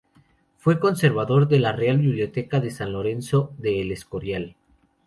Fue conservador de la Real Biblioteca de San Lorenzo de El Escorial.